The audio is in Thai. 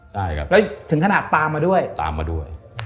และถึงขนาดตามมาด้วย